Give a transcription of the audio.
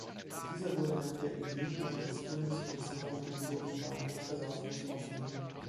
Dieser wurde nach der Inbetriebnahme des Tunnels und des neuen provisorischen Bahnhofes ersatzlos aufgehoben.